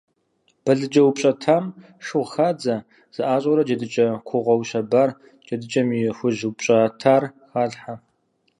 Балыджэ упщӏэтам шыгъу хадзэ, зэӏащӏэурэ джэдыкӏэ кугъуэ ущэбар, джэдыкӏэм и хужь упщӏэтар халъхьэ.